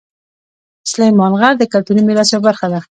سلیمان غر د کلتوري میراث یوه برخه ده.